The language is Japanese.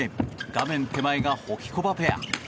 画面手前がホキコバペア。